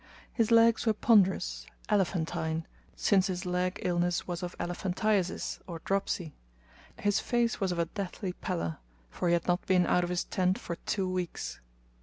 His legs were ponderous, elephantine, since his leg illness was of elephantiasis, or dropsy. His face was of a deathly pallor, for he had not been out of his tent for two weeks.